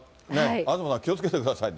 東さん、気をつけてくださいね。